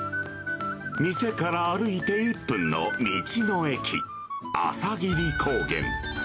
店から歩いて１分の道の駅、朝霧高原。